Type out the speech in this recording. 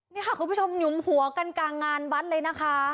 นี่ค่ะคุณผู้ชมหนุมหัวกันกลางงานวัดเลยนะคะ